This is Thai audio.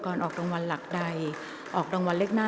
กรรมการท่านที่ห้าได้แก่กรรมการใหม่เลขเก้า